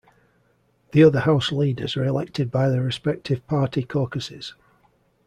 The other House leaders are elected by their respective party caucuses.